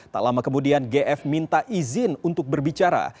tak lama kemudian gf minta izin untuk berbicara